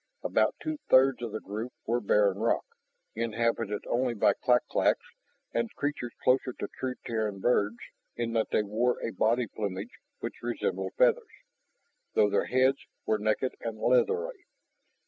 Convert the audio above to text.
About two thirds of the group were barren rock, inhabited only by clak claks and creatures closer to true Terran birds in that they wore a body plumage which resembled feathers, though their heads were naked and leathery.